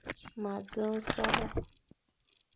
Ma dzeng sôbô.